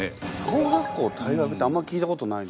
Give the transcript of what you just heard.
小学校退学ってあんまり聞いたことない。